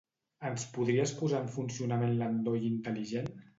Ens podries posar en funcionament l'endoll intel·ligent?